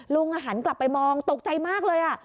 หันกลับไปมองตกใจมากเลย